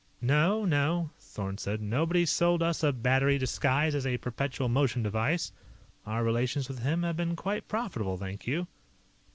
"No, no," Thorn said. "Nobody sold us a battery disguised as a perpetual motion device. Our relations with him have been quite profitable, thank you."